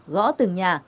gõ từng nhà